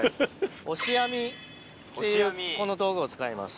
っていうこの道具を使います。